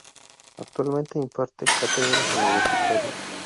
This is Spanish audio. Actualmente imparte cátedras universitarias.